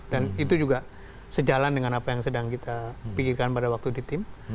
dan itu juga sejalan dengan apa yang sedang kita pikirkan pada waktu di tim